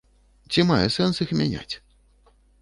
Ці мае сэнс іх мяняць?